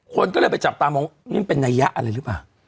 คนก็เลยไปจับตามองนี่มันเป็นนัยยะอะไรหรือเปล่า